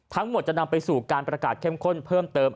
ทั้งหมดจะนำไปสู่การประกาศเข้มข้นเพิ่มเติม